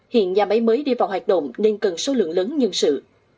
hiện nhà máy mới đi vào hoạt động nên cần số lượng lớn nhân sự